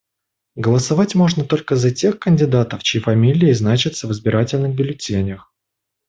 Голосовать можно только за тех кандидатов, чьи фамилии значатся в избирательных бюллетенях.